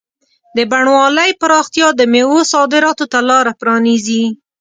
د بڼوالۍ پراختیا د مېوو صادراتو ته لاره پرانیزي.